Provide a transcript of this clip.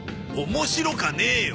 面白かねえよ！